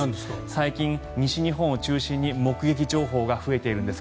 最近、西日本を中心に目撃情報が増えているんです。